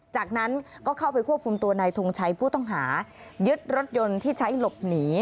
จากนั้นก็เข้าไปควบคุมตัวนายทงชัยผู้ต้องหายึดรถยนต์ที่ใช้หลบหนี